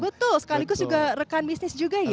betul sekaligus juga rekan bisnis juga ya